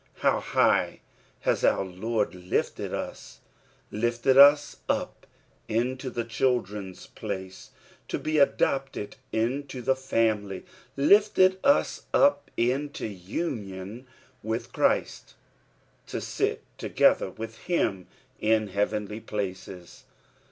How high has our Lord lifted ua I Lifted us up into the children's place, to be adopted into the family ; lifted ua up into union with Christ, '' to eit together with him in heavenly places."